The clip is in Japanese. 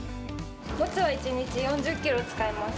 もつは１日４０キロ使います。